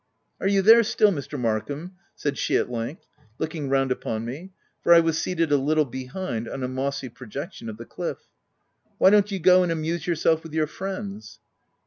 " Are you there still, Mr. Markham ?" said she at length looking round upon me — for I was seated a little behind on a mossy projection of the cliff. — u Why don't you go and amuse yourself with your friends